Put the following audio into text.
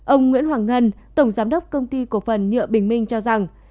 ông nguyễn hoàng ngân tổng giám đốc công ty cổ phần nhựa bình minh cho rằng